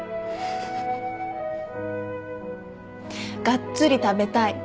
がっつり食べたい。